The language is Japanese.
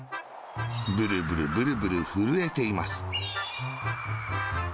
ブルブル、ブルブル、ふるえています。